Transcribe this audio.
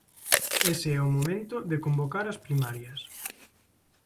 Ese é o momento de convocar as primarias.